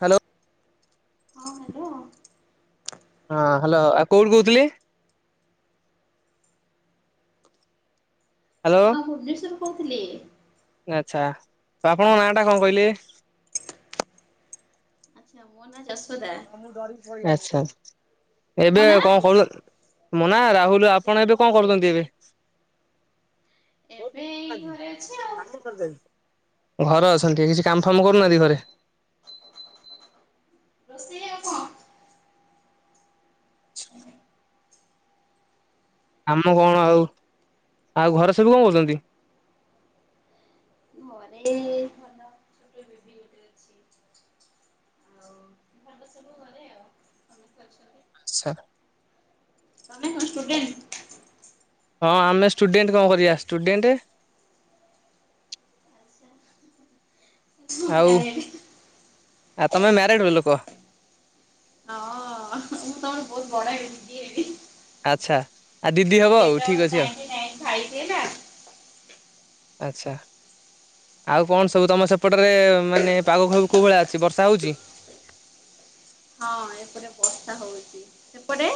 Hello. ହଁ hello. ହଁ hello, ଆଉ କୋଉଠୁ କହୁଥିଲେ? ହ୍ୟାଲୋ ହଁ ଭୁବନେଶ୍ଵରରୁ କହୁଥିଲି। ଆଚ୍ଛା ତ ଆପଣଙ୍କ ନାଁ ଟା କଣ କହିଲେ? ଆଚ୍ଛା ମୋ ନା ଯଶୋଦା। ଆଛା, ଏବେ ତମ ନାଁ? କଣ କରୁ ମୋ ନା ରାହୁଲ। ଆପଣ ଏବେ କଣ କରୁଛନ୍ତି ଏବେ? ଏବେ ଏଇ ଘରେ ଅଛି ଆଉ [inaudible] ଘର ଅଛନ୍ତି କିଛି କାମଫାମ କରୁନାହାନ୍ତି କି ଘରେ? ରୋଷେଇ ଆଉ କଣ? ଆମ କଣ ଆଉ, ଆଉ ଘର ସବୁ କଣ କରୁଛନ୍ତି? ମରେ ଏ କିଏ ବିଡି ଗୋଟେ ଆଉ ଭାଗ ସବୁ ଘରେ ଆଉ। ଏମତି ଅଛନ୍ତି। ଆଛା। ତମେ କଣ ଷ୍ଟୁଡେଣ୍ଟ? ହଁ, ଆମେ ଷ୍ଟୁଡେଣ୍ଟ କଣ କରିବା ଷ୍ଟୁଡେଣ୍ଟ ଆଉ ମ୍ୟାରେଡ୍ ଆ ତମେ ମ୍ୟାରେଡ଼ ର ଲୋକ? ହଁ ମୁଁ ତମର ବହୁତ ବଡ ଏଇ ଦିଦି ହେବି। ଆଚ୍ଛା। ଆଉ ଦିଦି ହବ ମୋ ଆଉ ଡେଟ୍ ଠିକ୍ ଅଫ୍ ଅଛି ଆଉ ନାଇନଟି ନାଇନ ଫାଇଭ ଏଇଟା। ଆଚ୍ଛା। ଆଉ କଣ ସବୁ ତମ ସେପଟରେ ମାନେ ପାଗ ଫାଗ କୋଉ ଭଳିଆ ଅଛି ବର୍ଷା ହଉଛି? ହଁ ଏପଟେ ବର୍ଷା ହଉଛି, ସେପଟେ?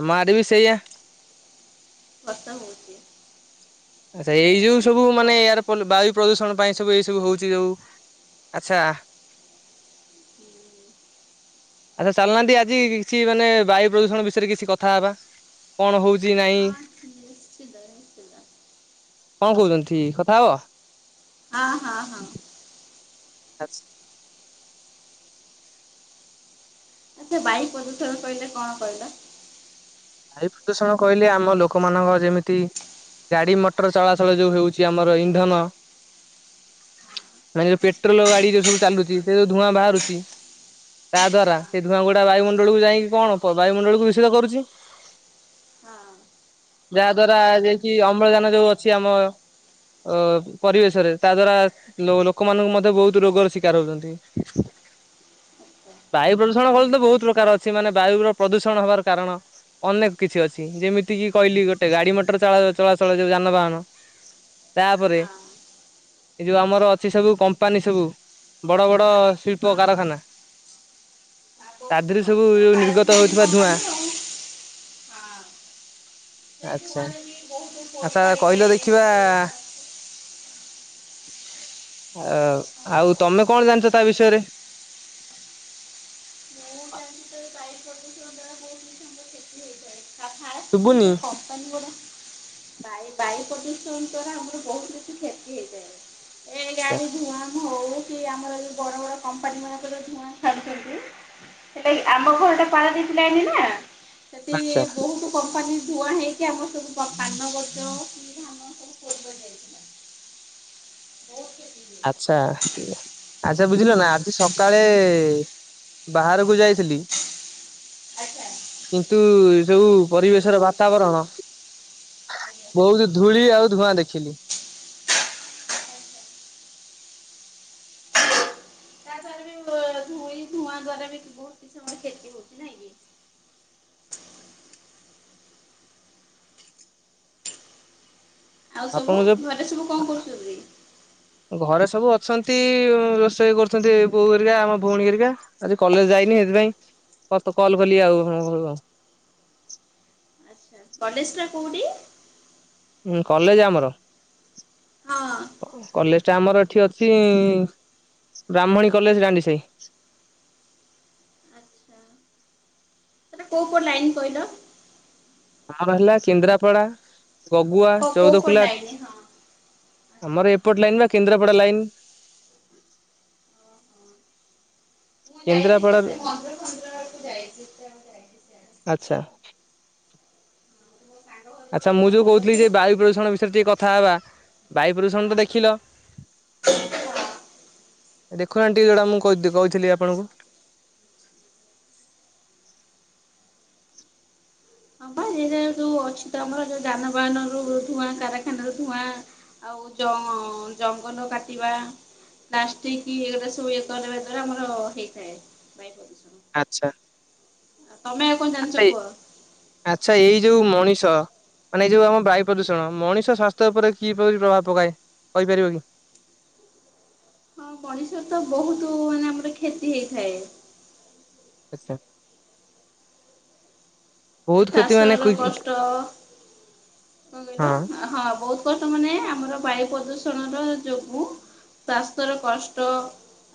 ଆମ ଆଡେ ବି ସେଇଆ। ବର୍ଷା ହଉଛି। ଆଛା ଏଇ ଯୋଉ ସବୁ ମାନେ ଆଚ୍ଛା ଏୟାର ବାୟୁ ପ୍ରଦୂଷଣ ପାଇଁ ସବୁ ଏ ସବୁ ହଉଛି ଯୋଉ, ଆଚ୍ଛା। ହୁଁ। ଆଚ୍ଛା ଚାଲୁନାହାଁନ୍ତି ଆଜି କିଛି ମାନେ ବାୟୁ ପ୍ରଦୂଷଣ ବିଷୟରେ କିଛି କଥା ହେବା, କଣ ହଉଛି। ନାଇଁ ହଁ ନିଶ୍ଚିନ୍ତ ନିଶ୍ଚିନ୍ତ। କଣ କହୁଛନ୍ଥି କଥା ହବ? ହଁ ହଁ ହଁ। ଆସ୍ ଆଚ୍ଛା ବାୟୁ ପ୍ରଦୂଷଣ କହିଲେ କଣ କହିଲ? ବାୟୁ ପ୍ରଦୂଷଣ କହିଲେ ଆମ ଲୋକମାନଙ୍କ ଯେମିତି ଗାଡ଼ି ମଟର ଚଳାଚଳ ଯେଉଁ ହେଉଛି ଆମର ଇନ୍ଧନ ମାନେ ଯୋଉ ପେଟ୍ରୋଲ ଗାଡି ଯୋଉ ସବୁ ଚାଲୁଛି ସେ ଯୋଉ ଧୂଆଁ ବାହାରୁଛି। ତା ହଁ ଦ୍ଵାରା ଆଚ୍ଛା ସେ ଧୂଆଁଗୁଡା ବାୟୁମଣ୍ଡଳୀକୁ ଯାଇକି କଣ ବାୟୁମଣ୍ଡଳକୁ ବିଶୁଦ୍ଧ କରୁଛି। ହଁ ଯାହା ଦ୍ଵାରା ଯେକି ଅମ୍ଳଜାନ ଯୋଉ ଅଛି ଆମ ଅ ପରିବେଶରେ ତା ଦ୍ଵାରା ଲୋ ଲୋକମାନଙ୍କୁ ମଧ୍ୟ ବହୁତ ରୋଗର ଶିକାର ହଉଛନ୍ତି। ହଁ। ବାୟୁ ପ୍ରଦୂଷଣ ଫଳ ତ ବହୁତ ପ୍ରକାର ଅଛି ମାନେ ବାୟୁର ପ୍ରଦୂଷଣ ହବାର କାରଣ ଅନେକ କିଛି ଅଛି ଯେମିତି କିି କହିଲି ଗୋଟେ ଗାଡି ମଟର ଚଳା ଚଳାଚଳ ଯୋଉ ଯାନବାହାନ ତାପରେ ଏଇ ଯୋଉ ଆମର ଅଛି ସବୁ କମ୍ପାନୀ ସବୁ ବଡ ବଡ ଶିଳ୍ପ କାରଖାନା। ହ ତା ଦେହରେ ସବୁ ଯଉ ନିର୍ଗତ ହେଉଥିବା ଧୂଆଁ ଆଉ ହଁ ସେଇ ଆଛା ଧୂଆଁରେ ବି ବହୁତ ପୋଡ଼ି ଆଚ୍ଛା ପାଡ଼ି ଯାଏ କହିଲ ଦେଖିବା ଆ ଆଉ ତମେ କଣ ଜାଣିଛ ତା ବିଷୟରେ ମୁଁ ଜା ତା ଭିତରେ ବାୟୁ ପ୍ରଦୂଷଣ ଦ୍ଵାରା ବହୁତ କରି କ୍ଷତି ହେଇଥାଏ ତା ଶୁଭୁନି ଫିଷ୍ଟଯଉ କମ ମାନ ଗୁଡା ବାୟ ବାୟୁ ପ୍ରଦୂଷଣ ଦ୍ଵାରା ଆମର ବହୁତ କିଛି କ୍ଷତି ହେଇଜାଏ। ଏ ଗାଡି ଧୂଆଁ ହଉ କି ଆମର ଯଉ ବଡ ବଡ କମ୍ପାନୀ ମାନଙ୍କରେଧୁଆଁ ଛାଡୁଛନ୍ତି। ସେଟା ଆମ ଘରଟା ପାଳ ଦିଶିଲଣି ନା ସେଠି ଆଚ୍ଛା ବହୁତ। କମ୍ପାନୀ ଧୂଆଁ ହେଇକି ଆମର ସବୁ ପାନଗଛ। [unintelligible] ଆଚ୍ଛା। ଆଚ୍ଛା ବୁଝିଲ ନା ଆଜି ସକାଳେ ବାହାରକୁ ଯାଇଥିଲି। ଆଚ୍ଛା। କିନ୍ତୁ ସବୁ ପରିବେଶର ବାତାବରଣ ବହୁତ ଧୂଳି ଆଉ ଧୂଆଁ ଦେଖିଲି। [unintelligible] ଏଇ ଧୂଆଁ ଦ୍ଵାରା ବି ବହୁତ କିଛି ସେ କ୍ଷତି ହଉଛି ନାଇଁ କି ଆଉ ସବୁ ଆପଣଙ୍କ ଘରେ ସବୁ କଣ କରୁଛନ୍ତି? ଘରେ ସବୁ ଅଛନ୍ତି ରୋଷେଇ କରୁଛନ୍ତି ବୋଉ ହେରିକା ଆମ ଭଉଣୀ ହେରିକା। ଆଜି କଲେଜ ଯାଇନି ସେଥିପାଇଁ ତତେ କଲି ଆଉ ହୁମ୍। କଲେଜ ଟା କୋଉଠି? ହଁ କଲେଜ ଆମର। ହଁ କଲେଜ ଟା ଆମର ଏଠି ଅଛି। ବ୍ରାହ୍ମଣୀ କଲେଜ୍ ରାଣ୍ଡି ସାହି। ଆଚ୍ଛା ସେଟା କୋଉ କୋଉ ଲାଇନ୍ କହିଁଲ। ଆମର ହେଲା କେନ୍ଦ୍ରାପଡ଼ା ଗଗୁଆ ହଁ କୋପଟ ଚଉଦକୁଲା ଲାଇନି ହଁ ଆଚ୍ଛା ଆମର ଏପଟ ଲାଇନ୍ ନାଁ କେନ୍ଦ୍ରାପଡା ଲାଇନ୍। ଓହୋ। ମୁଁ କେନ୍ଦ୍ରା ଯାଇଥିଲି ଯେ ସେ ମନ୍ଦିର ଫନ୍ଦିର ଆଡକୁ ଯାଇଛି [unintelligible] ଆଚ୍ଛା। ହଁ ମୋ ସାଙ୍ଗ ଘର ଆଚ୍ଛା ସେଇ ମୁଁ ଯୋଉ ମନ୍ଦିର କହୁଥିଲି ପାଖରେ ଯେ ହଁ ବାୟୁ ପ୍ରଦୂଷଣ ବିଷୟରେ ଟିକେ କଥା ହେବା। ବାୟୁ ପ୍ରଦୂଷଣ ତ ଦେଖିଲ। ହଁ। ଦେଖୁନାହାନ ଟିକେ ଯୋଉଟା ମୁଁ କହିଥି କହୁଥିଲି ଆପଣଙ୍କୁ। ହଁ ବା ଏଇଯାଏଁ ଯୋଉ ଅଛି ତ ଆମର ଯୋଉ ଯାନବାହାନ ରୁ ଧୂଆଁ କାରଖାନା ରୁ ଧୂଆଁ ଆଉ ଜଁ ଜଙ୍ଗଲ କାଟିବା। ପ୍ଲାଷ୍ଟିକି ଏଗୁରା ସୋଉ ଇଏ କରିବା ଦ୍ଵାରା ଆମର ହେଇଥାଏ [unintelligible] ଆଚ୍ଛା। ତମେ ଆଉ କଣ ଜାଣିଚ କୁହ। ଆଚ୍ଛା ଏଇ ଯୋଉ ମଣିଷ ମାନେ ଏ ଯେଉଁ ଆମ ବାୟୁ ପ୍ରଦୂଷଣ ମଣିଷ ସ୍ୱାସ୍ଥ୍ୟ ଉପରେ କିପରି ପ୍ରଭାବ ପକାଏ କହିପାରିବ କି? ହଁ ମଣିଷର ତ ବହୁତ ମାନେ ଆମର କ୍ଷତି ହେଇଥାଏ। ଆଚ୍ଛା। ଯୋଉ ବହୁତ କ୍ଷତି ଚାଷ ମାନେ ର କୁଇ- କଷ୍ଟ କଣ କହିଲ ହଁ ହଁ ବହୁତ୍ [unintelligible] ମାନେ ଆମର ବାୟୁ ପ୍ରଦୂଷଣର ଯୋଗୁଁ ସ୍ୱାସ୍ଥ୍ୟର କଷ୍ଟ।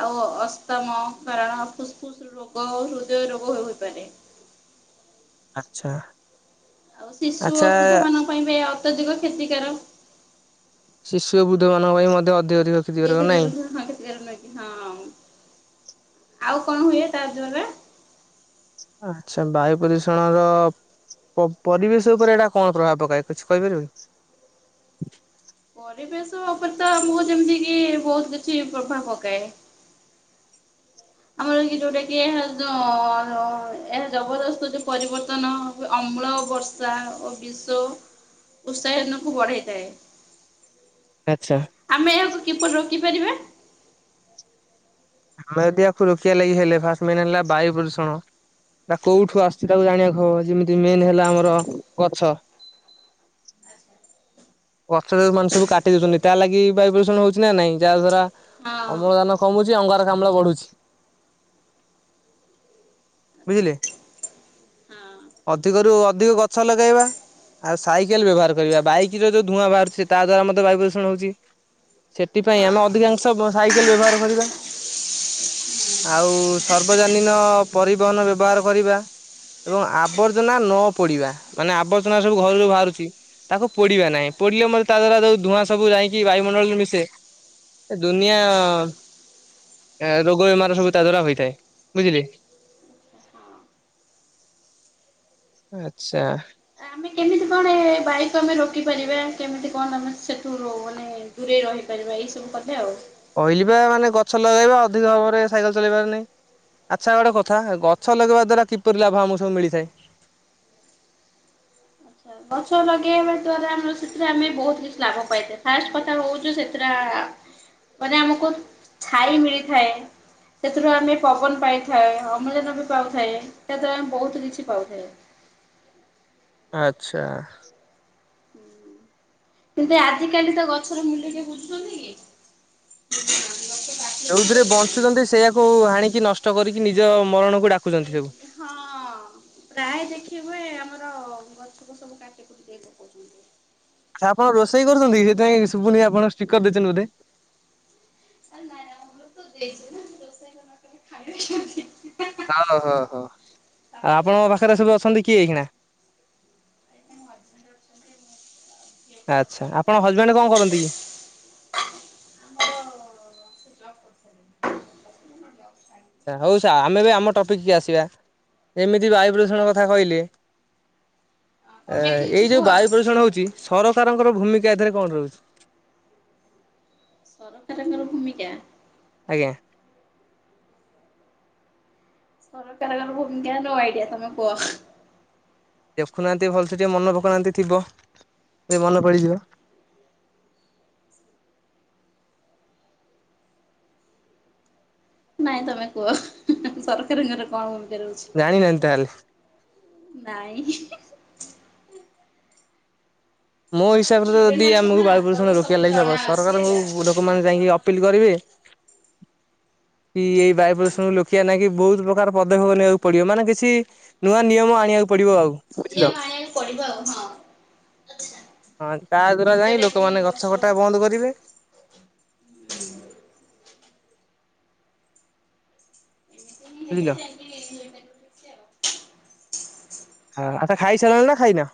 ଆଉ ଅସ୍ତମ କାରଣ ଫୁସ ଫୁସ ରୋଗ ହୃଦୟ ରୋଗ ହେ ହୋଇପାରେ। ଆଚ୍ଛା। ଆଉ ଶିଶୁ ଓ ଆଚ୍ଛା ବୃଦ୍ଧ ମାନଙ୍କ ପାଇଁ ବି ଅତ୍ୟଧିକ କ୍ଷତିକାର। ଶିଶୁ ଓ ବୃଦ୍ଧ ମାନଙ୍କ ପାଇଁ ମଧ୍ୟ ଅଧିକ ଅଧିକ [unintelligible] ହଁ କ୍ଷତିକାରକ ନାହିଁ। କ୍ଷତିକାର ନୁହେଁ କି? ହଁ ଆଉ କଣ ହୁଏ ତା ଦ୍ଵାରା? ଆଚ୍ଛା ବାୟୁ ପ୍ରଦୂଷଣ ର ପ ପରିବେଶ ଉପରେ ଏଇଟା କଣ ପ୍ରଭାବ ପକାଏ କିଛି କହିପାରିବେ? ପରିବେଶ ଉପରେ ତ ଆମକୁ ଯେମିତିକି ବହୁତ୍ କିଛି ପ୍ରଭାବ ପକାଏ। ଆମର କି ଯୋଉଁଟାକି ଯୋଉ ଉଁ ଏହା ଜବରଦସ୍ତ ଯୋଉ ପରିବର୍ତ୍ତନ ଅମ୍ଳ ବର୍ଷା ଓ ବିଶ୍ଵ ଉତ୍ସାହିନକୁ ବଢ଼େଇଥାଏ। ଆଚ୍ଛା। ଆମେ ଏହାକୁ କିପରି ରୋକିପାରିବା? ଆମେ ଯଦି ଆକୁ ରୋକିବା ଲାଗି ହେଲେ ଫାଷ୍ଟ ମେନ୍ ହେଲା ବାୟୁ ପ୍ରଦୂଷଣ ତା କୋଉଠୁଁ ଆସ୍ ସେଟାକୁ ଆଚ୍ଛା ଜାଣିବାକୁ ହବ ଯେମିତି ମେନ୍ ହେଲା ଆମର ଗଛ। ଗଛ ଯୋଉମାନେ ସବୁ କାଟି ଦଉଚନ୍ତି ତାଲାଗି ବାୟୁ ପ୍ରଦୂଷଣ ହଉଚି ନା ନାଇଁ ଯାହା ଦ୍ଵାରା ହଁ ହଁ। ଅମ୍ଳଜାନ କମୁଚି ଅଙ୍ଗାରକାମ୍ଳ ବଢ଼ୁଚି। ବୁଝିଲେ। ଅଧିକରୁୁ ଅଧିକ ଗଛ ଲଗାଇବା। ଆଉ ସାଇକେଲ ବ୍ୟବହାର କରିବା ବାଇକିର ଯୋଉ ଧୂଆଁ ବାହାରୁଚି ତାଦ୍ଵାରା ମଧ୍ୟ ବାୟୁ ପ୍ରଦୂଷଣ ହଉଚି। ସେଥିପାଇଁ ଆମେ ଅଧିକାଂଶ ବ ସାଇକେଲ ବ୍ୟବହାର କରିବା। ଆଉ ସର୍ବଜନୀନ ପରିବହନ ବ୍ୟବହାର କରିବା। ଏବଂ ଆବର୍ଜନା ନ ପୋଡିବା ମାନେ ଆବର୍ଜନା ସବୁ ଘରୁ ଯୋଉ ଭାଆରୁଚି ତାକୁ ପୋଡିବା ନାହିଁ। ପୋଡିଲେ ମୋଳ ତା ଦ୍ଵାରା ଯୋଉଁ ଧୂଆଁ ସବୁ ଯାଇକି ବାୟୁମଣ୍ଡଳରେ ମିଶେ। ଏ ଦୁନିଆ ଏଁ ରୋଗ ବେମାର ସବୁ ତା ଦ୍ଵାରା ହୋଇଥାଏ ବୁଝିଲେ। ହଁ ଆଚ୍ଛା। ଆମେ କେମିତି କଣ ଏ? ଏ ବାୟୁକୁ ଆମେ ରୋକି ପାରିବା। କେମିତି କଣ ଆମେ ସେଠୁ ମାନେ ଦୂରେଇ ରହିପାରିବା ଏଇ ସବୁ [unintelligible] ଆଉ। କହିଲିବା ମାନେ ଗଛ ଲଗାଇବା ଅଧିକ ଭାବରେ ସାଇକେଲ୍ ଚଲେଇବାର ନାହିଁ। ଆଚ୍ଛା ଗୋଟେ କଥା ଆଚ୍ଛା ଗଛ ଲଗେଇବା ଦ୍ଵାରା କିପରି ଲାଭ ଆମକୁ ସବୁ ମିଳିଥାଏ। ଆଚ୍ଛା ଗଛ ଲଗେଇବା ଦ୍ଵାରା ଆମର ସେଥିରେ ଆମେ ବହୁତ କିଛି ଲାଭ ପାଇଥାଉ ଫାଷ୍ଟ କଥା ହଉଚୁ ସେଥିରେ ଆ ପରେ ଆମକୁ ଛାଇ ମିଳିଥାଏ। ସେଥିରୁ ଆମେ ପବନ ପାଇଥାଏଁ ଅମ୍ଳଜାନ ପାଉଥାଏ ସେଥିରେ ଆମେ ବହୁତ କିଛି ପାଉଥାଏ। ଆଚ୍ଛା। କିନ୍ତୁ ଆଜିକାଲି ତ ଗଛର ମୂଲ୍ୟ କେ ବୁଝୁଛନ୍ତି କି? ଗଛ କାଟି ଦେଇ ଯଉଁଥିରେ ଦଉଛନ୍ତି। ବଞ୍ଚୁଛନ୍ତି ସେଇୟାକୁ ହାଣିକି ନଷ୍ଟ କରିକି ନିଜ ମରଣକୁ ଡାକୁ [unintelligible] ହଁ। ପ୍ରାୟ ଦେଖି ହୁଏ ଆମର ଗଛ ଫଛସବୁ କାଟିକୁଟି [unintelligible] ପକଉଛନ୍ତି। ଆପଣ ରୋଷେଇ କରୁଛନ୍ତି କି ସେଥିପାଇଁ ଶୁଭୁନି ଆପଣ ସ୍ପିକର ଦେଇଛନ୍ତି ବୋଧେ? ଆରେ ନାଇଁ ଆମ ଘରକୁ ଦେଇଛ ନାଁ ରୋଷେଇ କରିନ ଖାଇବା କେମିତି ହଁ ହଁ ହଁ ଆଉଁ ଶାଶୁ ଘରେ ଆପଣଙ୍କ କଥା ପାଖରେ ନା ସବୁ ଏଇଠି ଅଛନ୍ତି କିଏ ଏଇଖିଣା? ମୁଁ [unintelligible] ଆଚ୍ଛା ଧରିଛନ୍ତି ତ ଆପଣ ମୁଁ ଏପଟେ ହଜବେଣ୍ଡ କଣ ରୋଷେଇ କରନ୍ତି? କରେ। ଆମର ଜବ କରୁଛନ୍ତି ଅଛନ୍ତି ଜବ ଛାଡ଼ି [unintelligible] ସା ହଉ ସା ଆମେବି ଆମ ଟପିକି କୁ ଆସିବା ସେମିତି ବାୟୁପ୍ରଦୂଷଣ ହଁ କଥା କହିଲେ। ଏ ତମେ କିଛି ଏଇ କୁହ ଯେଉଁ ବାୟୁ ପ୍ରଦୂଷଣ ହଉଛି ସରକାରଙ୍କର ଭୂମିକା ଏଥିରେ କଣ ରହୁଛି? ସରକାରଙ୍କର ଭୂମିକା? ଆଜ୍ଞା। ସରକାରଙ୍କର ଭୂମିକା ନୋ ଆଇଡିଆ ତମେ କୁହ ଦେଖୁନାହାନ୍ତି ଭଲସେ ଟିକେ ମନ ପକଉନାହାନ୍ତି ଥିବ ଯେ ମନେ ପଡ଼ିଯିବ। ନାଇଁ ତମେ କୁହ ହେଁ ହେଁ ସରକାରଙ୍କର କଣ ଭୂମିକା ରହୁଛି। ଜାଣିନାହାନ୍ତି ତାହେଲେ ନାଇଁ ହିଁଇ ମୋ ତମେ ହିସାବରେ ଷ୍ଟୁଡେଣ୍ଟ ଯଦି ଅଛ ଆମକୁ ନା ବାୟୁପ୍ରଦୂଷଣ ତମକୁ ରୋକିବା ସବୁ ଲାଗି ହବ ଜଣା ଅଛି ସରକାରଙ୍କୁ ହେଲା। ଭୂ ଲୋକମାନେ ଯାଇକି ଅପ୍ ପିଲ କରିବେ କି ବାୟୁ ପ୍ରଦୂଷଣରୁ ଲୋକିବା ଲାଗି ବହୁତ ପ୍ର ତାର ପଦକ୍ଷେପ ନେବାକୁ ପଡିବ ମାନେ କିଛି ନୂଆ ନିୟମ ଆଣିବାକୁ ପଡିବ ଆଉ। ବୁଝିଲ ନିୟମ ଆଣିବାକୁ ପଡିବ ଆଉ ହଁ। ହଁ ତା ଦ୍ଵାରା ଯାଇ ଯୋଉଟା କି ଲୋକମାନେ ଗଛ କଟା ବନ୍ଦ କରିବେ। ବୁଝିଲ [unintelligible] ଯାଇକି ହେଇପାରିବ କିଛି ଆଉ ହଁ ଆଚ୍ଛା ଖାଇ ସାରିଲଣି ନା ଖାଇନା?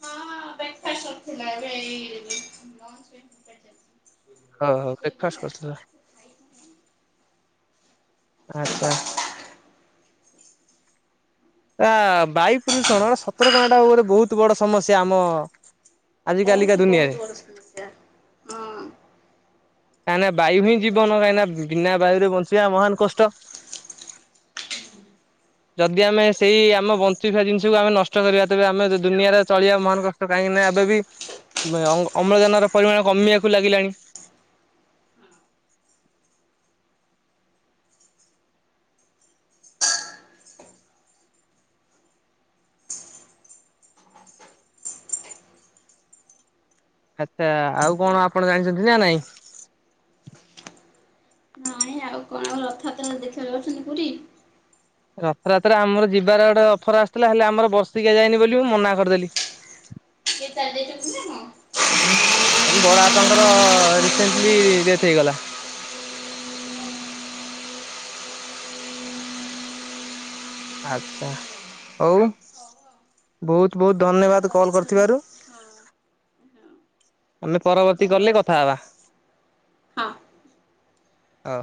ହଁ [unintelligible] ହଁ ହଉ ବ୍ରେକଫାଷ୍ଟ ଶୋଇପଇଲା? କରିସାରିଲଣି ଆଚ୍ଛା। ଆ ବାୟୁ ପ୍ରଦୂଷଣ ସତରେ କଣ ଗୋଟେ ବହୁତ ବଡ ସମସ୍ୟା ଆମ ଆଜିକାଲିକା ବହୁତ ଦୁନିଆରେ ବହୁତ ବଡ ସମସ୍ୟା ହଁ। କାହିଁକିନା ବାୟୁ ହିଁ ବହୁତ ବଡ଼ ଜୀବନ ସମସ୍ୟା। କାହିଁକିନା ବିନା ବାୟୁରେ ବଞ୍ଚିବା ମହାନ କଷ୍ଟ। ଯଦି ଆମେ ସେଇ ଆମ ବଞ୍ଚୁଫା ଜିନିଷକୁ ଆମେ ନଷ୍ଟ କରିବା ତେବେ ଆମେ ଦୁନିଆରେ ଚଳିବା ମହାନ କଷ୍ କାହିଁକି ନା ଏବେ ବି ଅ-ଅମ୍ଳଜାନ ର ପରିମାଣ କମିବାକୁ ଲାଗିଲାଣି। ଆଚ୍ଛା ଆଉ କଣ ଆପଣ ଜାଣିଛନ୍ତି ନା ନାଇଁ? ନାଇଁ ଆଃ ଆଉ କଣ ଆଉ ରଥାଯାତ୍ରା ଦେଖିବାକୁ ଯାଉଛନ୍ତି ପୁରୀ? ରଥଯାତ୍ରରେ ଆମର ଯିବାର ଗୋଟେ ଅଫର ଆସଥିଲା ହେଲେ ଆମର ବର୍ଷିକିଆ ଯାଇନି ବୋଲି ମୁଁ ମନା କରିଦେଲି। କିଏ ଚଳିଯାଇଚନ୍ତିନା କଣ? ଆମ ବଡ ବାପାଙ୍କର ରିସେଣ୍ଟଲି ଡେଥ ହେଇଗଲା। ଆଚ୍ଛା ହଉ। ହଉ ଆଉ ବହୁତ ବହୁତ ହେଇଗଲା ଧନ୍ୟବାଦ କଲ୍ ଦଶ କରିଥିବାରୁ। ମିନିଟ୍ ହଁ। ହଁ ଆମେ ପରବର୍ତ୍ତୀ କଲେ କଥା ଧନ୍ୟବାଦ ହେବା। ହଁ। ହଁ।